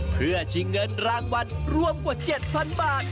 เพื่อชิงเงินรางวัลรวมกว่า๗๐๐บาท